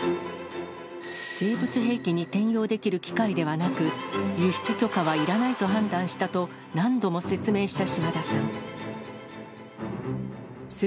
生物兵器に転用できる機械ではなく、輸出許可はいらないと判断したと、何度も説明した島田さん。